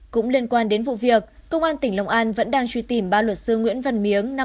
cũng liên quan đến vụ việc công an tỉnh long an vẫn đang truy tìm ba luật sư nguyễn văn miếng